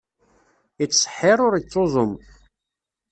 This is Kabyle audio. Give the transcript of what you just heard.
Ittṣeḥḥir, ur ittuẓum.